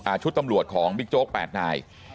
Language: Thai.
ชุดตำรวจของบิ๊กโจ๊กแปดนาย